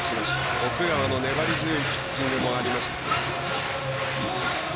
奥川の粘り強いピッチングもありました。